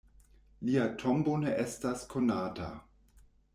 Lia tombo ne estas konata.